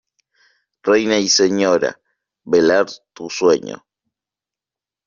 reina y señora, velar tu sueño.